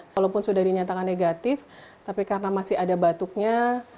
walaupun sudah dinyatakan negatif tapi karena masih ada batuknya